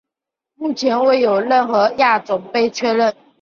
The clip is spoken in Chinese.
目前未有任何亚种被确认。